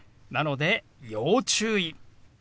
なので要注意。